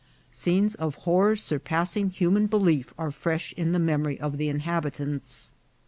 Scenes of horror surpassing human belief are fresh in the memory of the inhabitants.